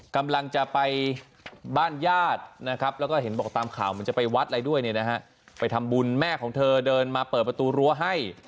กำลังจะไปบ้านญาตินะครับแล้วก็เห็นบอกตามข่าวเหมือนจะไปวัดอะไรด้วยเนี่ยนะฮะไปทำบุญแม่ของเธอเดินมาเปิดประตูรั้วให้